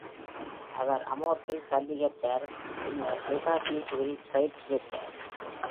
அவர் அமோத்தில் கல்வி கற்றார், பின்னர் மொகாதிஷூவில் பயிற்சி பெற்றார்.